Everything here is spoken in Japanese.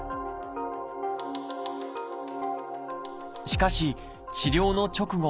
しかし治療の直後